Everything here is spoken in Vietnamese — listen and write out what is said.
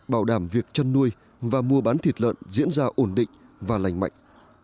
bảo đảm việc chăn nuôi và mua bán thịt lợn diễn ra ổn định và lành mạnh